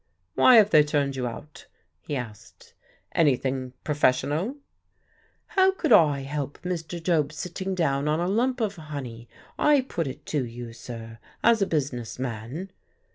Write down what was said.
"Why have they turned you out?" he asked. "Anything professional?" "How could I help Mr. Job's sitting down on a lump of honey? I put it to you, sir, as a business man."